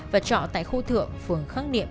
và trọ tại khu thượng phường khắc niệm